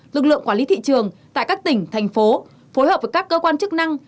lực lượng quản lý thị trường tại các tỉnh thành phố phối hợp với các cơ quan chức năng